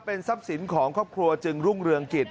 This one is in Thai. เป็นทรัพย์สินของครอบครัวจึงรุ่งเรืองกิจ